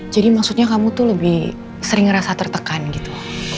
jadi maksudnya kamu tuh lebih sering ngerasa tertekan gitu